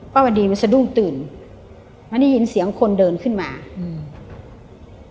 วันดีมันสะดุ้งตื่นมันได้ยินเสียงคนเดินขึ้นมาอืม